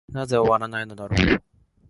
なぜ終わないのだろう。